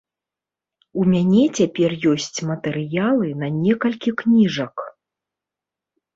У мяне цяпер ёсць матэрыялы на некалькі кніжак.